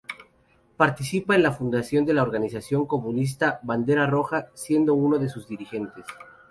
Participa en la fundación de la Organización Comunista-Bandera Roja siendo uno de sus dirigentes.